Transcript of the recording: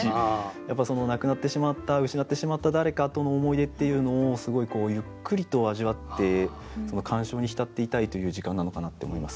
やっぱその亡くなってしまった失ってしまった誰かとの思い出っていうのをすごいゆっくりと味わってその感傷に浸っていたいという時間なのかなって思います。